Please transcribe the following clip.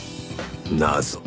謎。